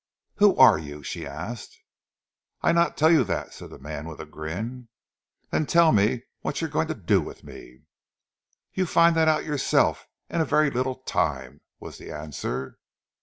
"Who are you?" she asked. "Ah not tell you dat!" said the man with a grin. "Then tell me what are you going to do with me?" "You fin' dat out for yourself in a vaire leetle taime," was the answer.